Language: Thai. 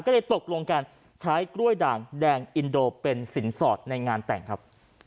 ก็เลยตกลงกันใช้กล้วยด่างแดงอินโดเป็นสินสอดในงานแต่งครับ